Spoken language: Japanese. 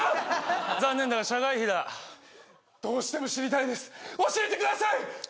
残念だが社外秘だどうしても知りたいです教えてください！